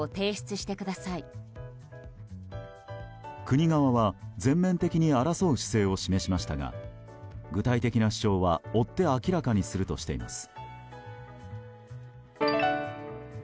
国側は全面的に争う姿勢を示しましたが具体的な主張は、追って明らかにするとしています。